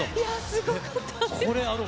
すごかったです。